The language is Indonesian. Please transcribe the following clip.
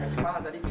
kasih paha sedikit